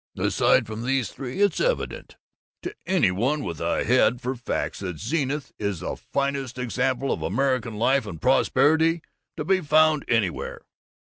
aside from these three, it's evident to any one with a head for facts that Zenith is the finest example of American life and prosperity to be found anywhere.